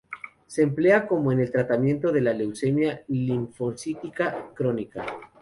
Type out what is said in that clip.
Se emplea como en el tratamiento de la leucemia linfocítica crónica.